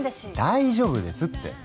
大丈夫ですって。